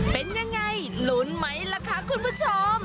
เป็นยังไงลุ้นไหมล่ะคะคุณผู้ชม